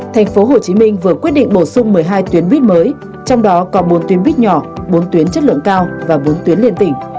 tp hcm vừa quyết định bổ sung một mươi hai tuyến buýt mới trong đó có bốn tuyến buýt nhỏ bốn tuyến chất lượng cao và bốn tuyến liên tỉnh